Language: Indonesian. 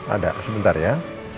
ada sebentar ya